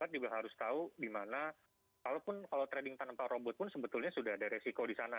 kita juga harus tahu dimana kalaupun kalau trading tanpa robot pun sebetulnya sudah ada resiko di sana